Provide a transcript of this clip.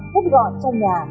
hút gọn trong nhà